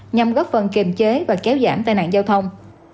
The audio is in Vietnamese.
nhằm góp phần kiềm chế và kéo giảm tai nạn giao thông